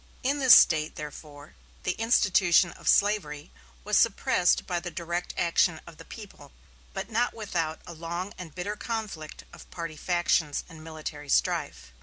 In this State, therefore, the institution of slavery was suppressed by the direct action of the people, but not without a long and bitter conflict of party factions and military strife.